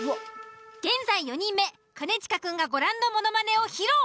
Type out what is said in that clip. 現在４人目兼近くんがご覧のものまねを披露！